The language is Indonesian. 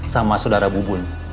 sama sudara bubun